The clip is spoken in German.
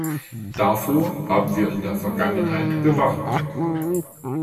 Davor haben wir in der Vergangenheit gewarnt.